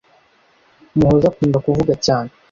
muhoza akunda kuvuga cyane